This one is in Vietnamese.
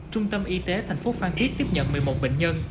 trung tâm y tế tp phan thiết tiếp nhận một mươi một bệnh nhân